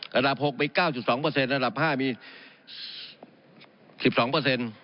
ระดับ๖มี๙๒ระดับ๕มี๑๒เปอร์เซ็นต์